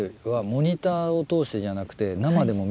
モニターを通してじゃなくて。